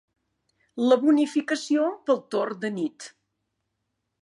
La bonificació pel torn de nit.